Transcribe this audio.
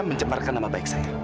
menjeparkan nama baik saya